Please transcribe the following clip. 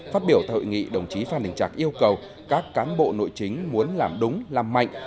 phát biểu tại hội nghị đồng chí phan đình trạc yêu cầu các cán bộ nội chính muốn làm đúng làm mạnh